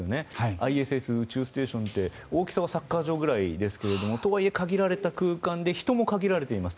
ＩＳＳ・宇宙ステーションって大きさはサッカー場ぐらいですけどとはいえ限られた空間で人も限られています。